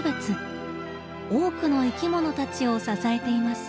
多くの生きものたちを支えています。